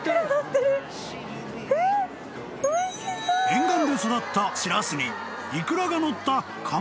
［沿岸で育ったしらすにイクラがのった］